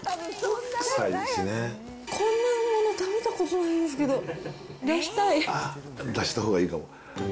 こんなもの食べたことないんですけど、出したほうがいいかも。